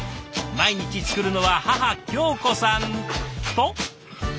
毎日作るのは母恭子さんと。